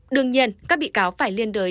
đương nhiên các bị cáo phải liên đối